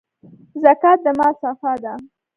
زکات د مال صفا ده.